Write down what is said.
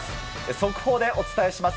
速報でお伝えします。